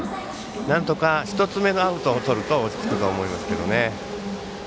なんとか１つ目のアウトをとると落ち着くと思いますけどね。